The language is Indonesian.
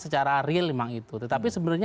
secara real memang itu tetapi sebenarnya